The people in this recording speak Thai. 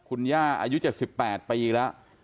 คุณย่าอายุ๗๘ปีแล้ว